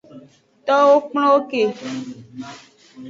Towo kplon ke.